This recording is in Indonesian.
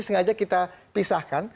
sengaja kita pisahkan